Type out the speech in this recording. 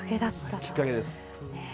きっかけです。